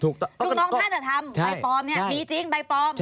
ถูกต้องถ้าจะทำใบปลอมเนี่ยมีจริงใบปลอม